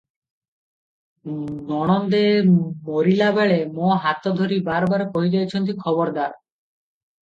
ନଣନ୍ଦେ ମରିବା ବେଳେ ମୋ ହାତ ଧରି ବାର ବାର କହି ଯାଇଛନ୍ତି, 'ଖବାରଦାର!